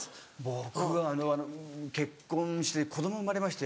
僕結婚して子供生まれまして。